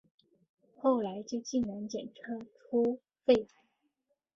后来就竟然检查出肺癌